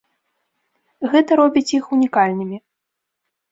Гэта робіць іх унікальнымі.